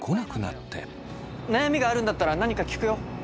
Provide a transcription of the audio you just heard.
悩みがあるんだったら何か聞くよ。